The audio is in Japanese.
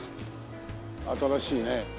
新しいね。